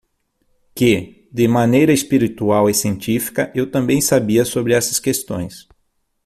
Que, de maneira espiritual e científica, eu também sabia sobre essas questões.